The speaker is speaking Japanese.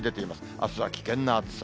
あすは危険な暑さ。